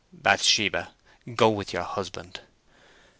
"Bathsheba, go with your husband!"